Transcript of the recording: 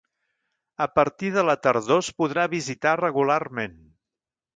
A partir de la tardor es podrà visitar regularment.